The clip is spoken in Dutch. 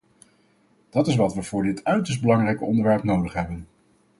Dat is wat we voor dit uiterst belangrijke onderwerp nodig hebben.